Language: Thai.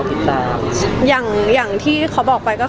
แต่จริงแล้วเขาก็ไม่ได้กลิ่นกันว่าถ้าเราจะมีเพลงไทยก็ได้